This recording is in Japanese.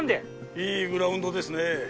いいグラウンドですね